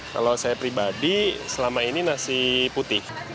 kalau saya pribadi selama ini nasi putih